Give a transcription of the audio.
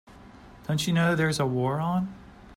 Don't you know there's a war on?